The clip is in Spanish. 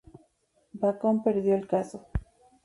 Bacon perdió el caso.